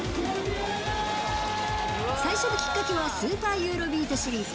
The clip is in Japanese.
最初のきっかけはスーパー・ユーロビートシリーズ。